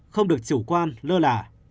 không được chủ quan lơ lạ